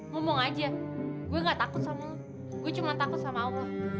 ngomong aja gue gak takut sama gue gue cuma takut sama allah